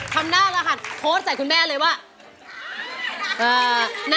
ทำแน่ละค่ะโทษใส่คุณแม่เลยว่า